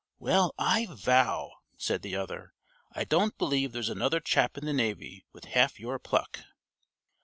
"Well, I vow," said the other. "I don't believe there's another chap in the navy with half your pluck."